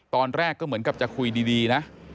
ตอนแรกก็เหมือนกับจะคุยดีนะ